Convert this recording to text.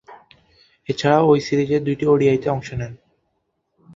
এছাড়াও, ঐ সিরিজের দুইটি ওডিআইয়ে অংশ নেন।